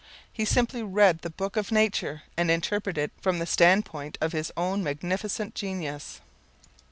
He simply read the book of nature and interpreted it from the standpoint of his own magnificent genius.